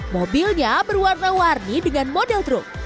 mobilnya berwarna warni dengan model truk